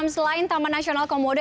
selain taman nasional komodo